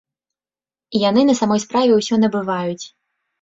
І яны на самой справе ўсё набываюць!